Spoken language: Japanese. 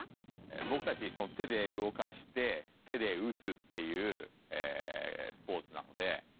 僕たち手で動かして手で打つっていうスポーツなので